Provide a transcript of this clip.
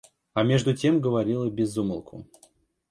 А между тем говорила без умолку.